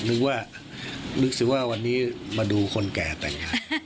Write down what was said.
นึกว่าวันนี้มาดูคนแก่แต่งงาน